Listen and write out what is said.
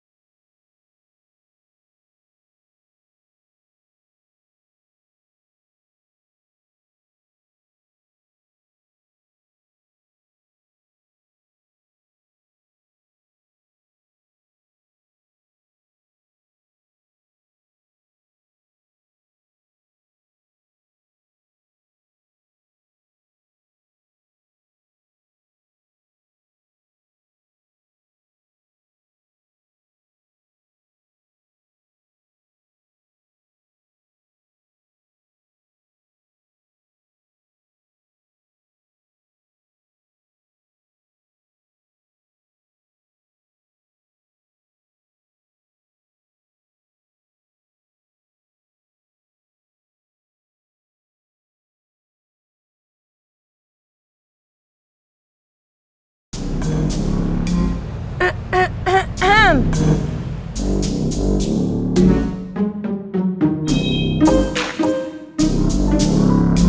no kamu merah yang sama